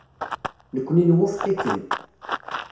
Nekkni nwufeq-ikem.